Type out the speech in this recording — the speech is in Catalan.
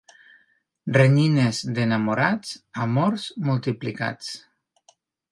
Renyines d'enamorats, amors multiplicats.